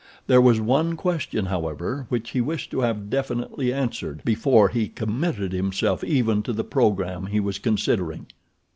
There was one question however, which he wished to have definitely answered before he committed himself even to the program he was considering.